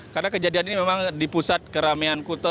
karena kejadian ini memang di pusat keramaian kuto